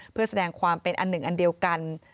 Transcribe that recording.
เพื่อแสดงความเป็นอันหนึ่งอันเดียวกัน